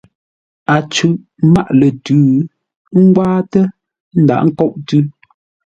Ə́ cʉ́ʼ mâʼ lə̂ tʉ̌, ə́ ngwáatə́; ə́ ndaghʼ ńkôʼ tʉ̌.